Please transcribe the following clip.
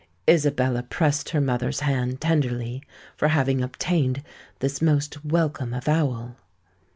Isabella pressed her mother's hand tenderly for having obtained this most welcome avowal.